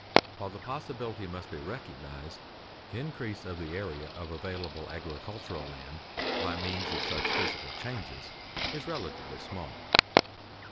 While the possibility must be recognized, the increase of the area of available agricultural land by means of such physical changes is relatively small.